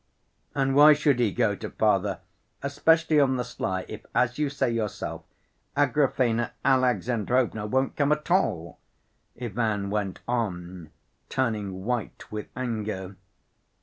"And why should he go to father, especially on the sly, if, as you say yourself, Agrafena Alexandrovna won't come at all?" Ivan went on, turning white with anger.